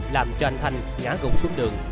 làm cho anh thanh ngã gũ xuống đường